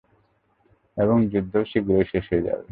এবং, যুদ্ধও শীঘ্রই শেষ হয়ে যাবে।